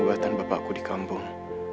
kebuatan bapakku di kampung